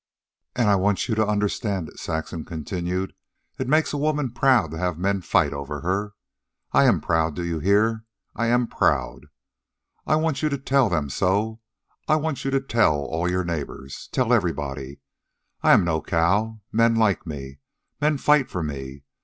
"And I want you to understand it," Saxon continued. "It makes a woman proud to have men fight over her. I am proud. Do you hear? I am proud. I want you to tell them so. I want you to tell all your neighbors. Tell everybody. I am no cow. Men like me. Men fight for me.